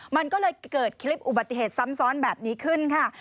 มันก็เลยเกิดคลิปอุบัติเหตุซ้ำซ้อนแบบนี้ขึ้นค่ะ